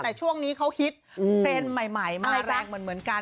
แต่ช่วงนี้เขาฮิตเทรนด์ใหม่มาแรงเหมือนกัน